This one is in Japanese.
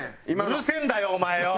うるせえんだよお前よ！